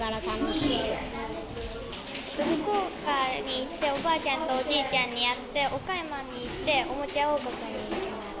福岡に行って、おばあちゃんとおじいちゃんに会って、岡山に行って、おもちゃ王国に行きます。